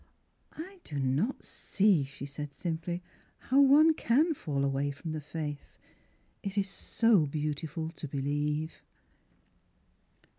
I do not see," she said simply, '' how one can fall away from the faith. It is so beauti ful to believe